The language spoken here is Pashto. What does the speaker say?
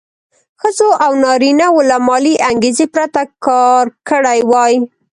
ښځو او نارینه وو له مالي انګېزې پرته کار کړی وای.